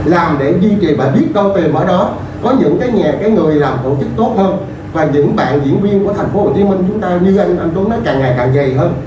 làm để duy trì và biết câu tề mở đó có những cái nghề cái người làm tổ chức tốt hơn và những bạn diễn viên của tp hcm chúng ta như anh tốn nói càng ngày càng dày hơn